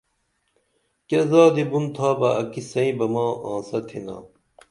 کیہ زادی بُن تھا بہ اکِسئیں بہ مساں آنسہ تِھنا